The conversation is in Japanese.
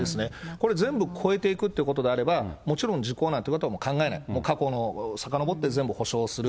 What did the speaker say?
これ全部超えていくということであれば、もちろん時効なんてことは考えない、もう過去をさかのぼって全部補償する。